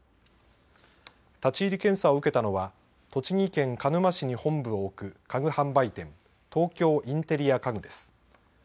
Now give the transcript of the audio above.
立ち入り検査を受けたのは栃木県鹿沼市に本部を置く家具販売店、東京インテリア家具です。